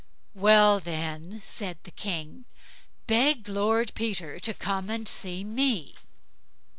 "Well, then", said the King, "beg Lord Peter to come and see me."